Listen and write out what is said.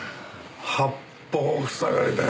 八方塞がりだよ。